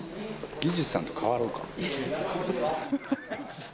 技術さんと代わろうか？